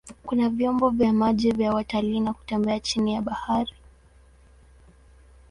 Kuna vyombo vya maji vya watalii na kutembea chini ya bahari.